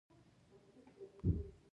آیا دوی د ریسایکل کولو فابریکې نلري؟